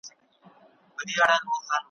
جهاني دی، ورکي لاري، سپیني شپې دي، توري ورځي `